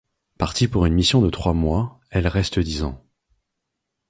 Partie pour une mission de trois mois, elle reste dix ans.